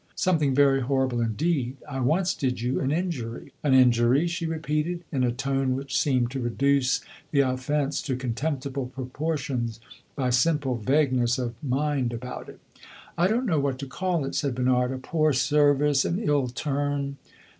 "Something very horrible indeed. I once did you an injury." "An injury?" she repeated, in a tone which seemed to reduce the offence to contemptible proportions by simple vagueness of mind about it. "I don't know what to call it," said Bernard. "A poor service an ill turn."